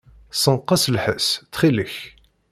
Ssenqes lḥess, ttxil-k.